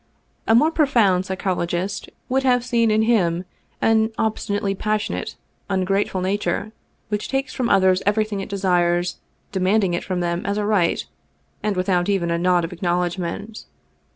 A more profound psychologist would have seen in him an obstinately passionate, ungrateful nature, which takes from others everything it desires, demanding it from them as a right and without even a nod of acknowl edgment.